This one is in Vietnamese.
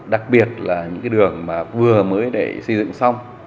đặc biệt là những đường vừa mới xây dựng xong